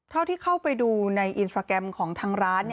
เท่าที่เข้าไปดูในอินสตราแกรมของทางร้าน